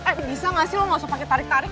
eh bisa gak sih lo langsung pake tarik tarik